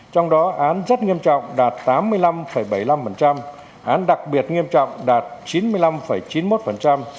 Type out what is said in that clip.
trong đó án rất nghiêm trọng đạt tám mươi năm bảy mươi năm án đặc biệt nghiêm trọng đạt chín mươi năm năm